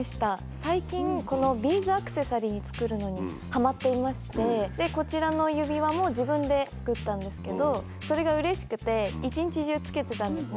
最近、このビーズアクセサリー作るのにはまっていまして、こちらの指輪も自分で作ったんですけど、それがうれしくて、一日中つけてたんですね。